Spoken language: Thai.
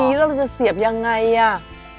ครับผมตัดออกเนินหนึ่งดีกว่า